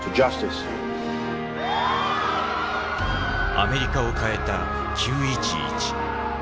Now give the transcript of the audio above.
アメリカを変えた９．１１。